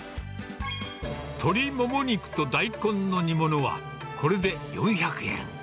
鶏モモ肉と大根の煮物は、これで４００円。